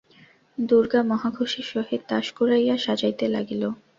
-দুর্গা মহাখুশির সহিত তাস কুড়াইয়া সাজাইতে লাগিল।